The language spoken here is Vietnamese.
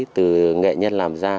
từ nghệ nhân làm